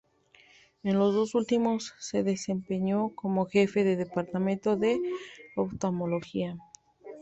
En los dos últimos se desempeñó como jefe del Departamento de Oftalmología.